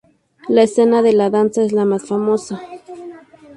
La escena de la danza es la más famosa.